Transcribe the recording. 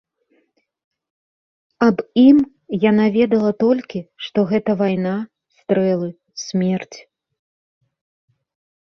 Аб ім яна ведала толькі, што гэта вайна, стрэлы, смерць.